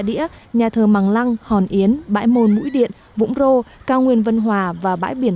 đĩa nhà thờ măng lăng hòn yến bãi môn mũi điện vũng rô cao nguyên vân hòa và bãi biển